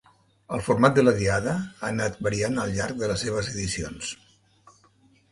El format de la diada ha anat variant al llarg de les seves edicions.